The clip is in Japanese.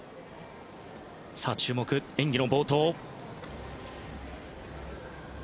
注目、演技の冒頭。